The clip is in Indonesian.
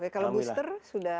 kalau booster sudah